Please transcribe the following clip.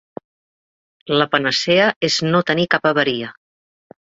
La panacea és no tenir cap avaria.